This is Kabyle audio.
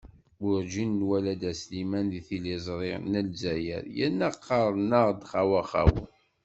Werǧin nwala dda Sliman deg tiliẓri n Lezzayer, yerna qqaren-aɣ-d "xawa-xawa"!